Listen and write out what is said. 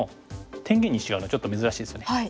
天元に石があるのちょっと珍しいですよね。